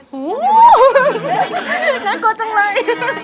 โอ้โหน่ากลัวจังเลย